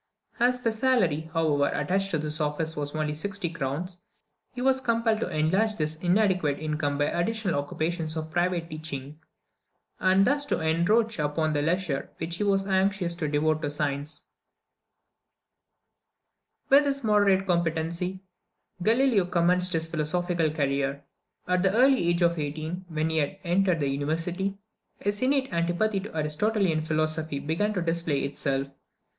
As the salary, however, attached to this office was only sixty crowns, he was compelled to enlarge this inadequate income by the additional occupation of private teaching, and thus to encroach upon the leisure which he was anxious to devote to science. With this moderate competency, Galileo commenced his philosophical career. At the early age of eighteen, when he had entered the university, his innate antipathy to the Aristotelian philosophy began to display itself.